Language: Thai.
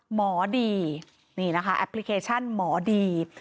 หมอดีนี่นะคะแอปพลิเคชันหมอดี